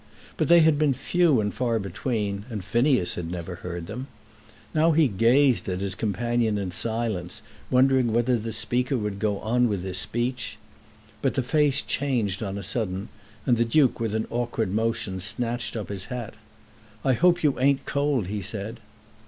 But they had been few and far between, and Phineas had never heard them. Now he gazed at his companion in silence, wondering whether the speaker would go on with his speech. But the face changed on a sudden, and the Duke with an awkward motion snatched up his hat. "I hope you ain't cold," he said.